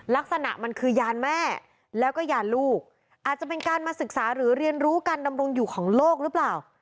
ลักษณะมันคือยานแม่แล้วก็ยานลูกอาจจะเป็นการมาศึกษาหรือเรียนรู้การดำรงอยู่ของโลกหรือเปล่า